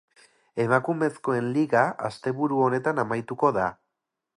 Emakumezkoen liga asteburu honetan amaituko da.